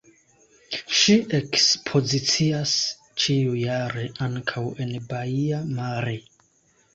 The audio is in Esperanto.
Ŝi ekspozicias ĉiujare ankaŭ en Baia Mare.